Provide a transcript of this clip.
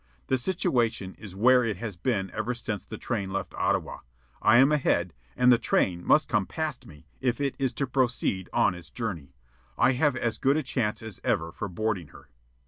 The situation is where it has been ever since the train left Ottawa. I am ahead, and the train must come past me if it is to proceed on its journey. I have as good a chance as ever for boarding her.